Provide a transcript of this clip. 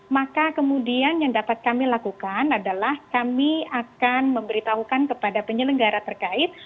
maka kemudian yang dapat kami lakukan adalah kami akan memberitahukan kepada penyelenggara terkait